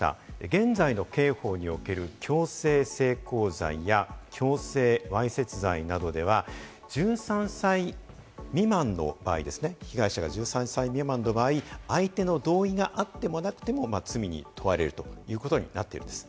現在の刑法における強制性交罪や強制わいせつ罪などでは１３歳未満の場合ですね、被害者が、相手の同意があってもなくても罪に問われるということになっているんです。